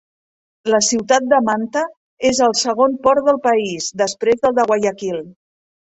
La ciutat de Manta és el segon port del país, després del de Guayaquil.